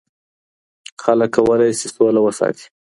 خلګ کولای سي سوله وساتي.